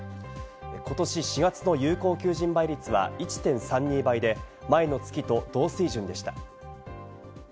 ことし４月の有効求人倍率は１．３２倍で、前の月と同水準でした。